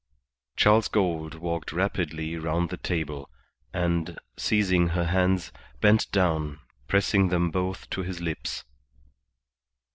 Charles Gould walked rapidly round the table, and, seizing her hands, bent down, pressing them both to his lips.